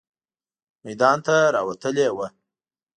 میدان ته راوتلې وه.